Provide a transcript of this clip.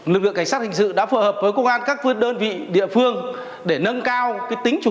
lực lượng cảnh sát hình sự đã phù hợp với công an các phương đơn vị địa phương để nâng cao tính chủ